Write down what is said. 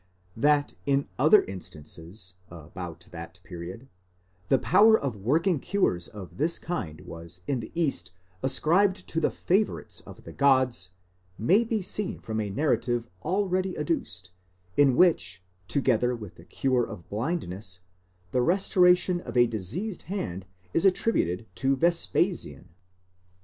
That, in other instances, about that period, the power of working cures of this kind was in the East ascribed to the favourites of the gods, may be seen from a narrative already adduced, in which, together with the cure of blindness, the restoration of a diseased hand is attributed to Vespasian.